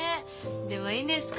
でもいいんですか？